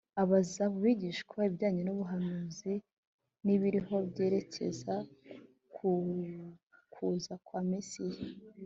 Abaza abo bigisha ibijyanye n’ubuhanuzi, n’ibiriho byerekeza ku kuza kwa Mesiya